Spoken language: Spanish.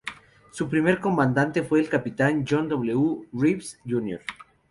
Su primer Comandante fue el Capitán John W. Reeves, Jr.